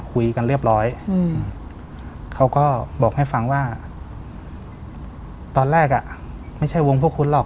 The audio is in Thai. คุยกันเรียบร้อยเขาก็บอกให้ฟังว่าตอนแรกอ่ะไม่ใช่วงพวกคุณหรอก